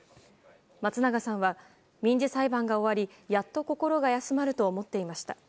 松永さんは、民事裁判が終わりやっと心が休まると思っていました。